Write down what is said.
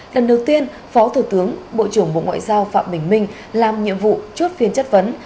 lần đầu tiên phó thủ tướng bộ trưởng bộ ngoại giao phạm bình minh làm nhiệm vụ chốt phiên chất vấn